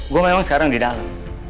gue memang sekarang di dalam